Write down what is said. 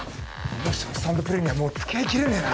あの人のスタンドプレーにはもうつきあいきれねぇな。